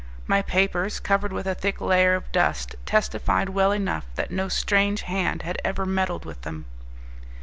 My papers, covered with a thick layer of dust, testified well enough that no strange hand had ever meddled with them.